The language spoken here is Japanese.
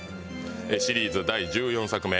シリーズ第１４作目。